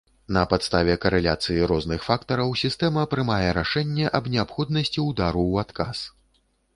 На падставе карэляцыі розных фактараў сістэма прымае рашэнне аб неабходнасці ўдару ў адказ.